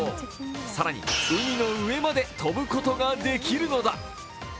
更に海の上まで飛ぶことができるのだ。